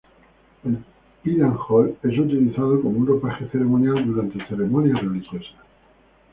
El Pidan Hol es utilizado como un ropaje ceremonial durante ceremonias religiosas.